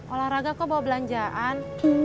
olahraga kok bawa belanjaan